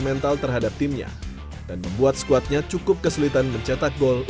mereka nyatakan comunic model dan mewakili wetalesnya di media latihan indonesia di indonesia